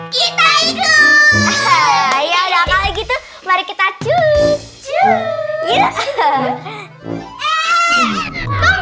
kita ikut ya udah kali gitu mari kita cuu cuu